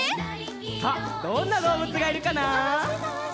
さあどんなどうぶつがいるかな？